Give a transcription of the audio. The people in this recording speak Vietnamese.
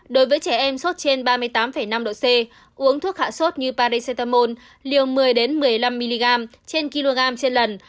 đối với trẻ em sốt trên ba mươi tám năm độ c uống thuốc hạ sốt như parisetamol liều một mươi một mươi năm mg trên kg trên lần